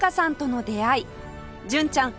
純ちゃん